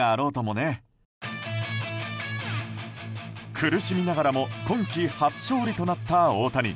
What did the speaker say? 苦しみながらも今季初勝利となった大谷。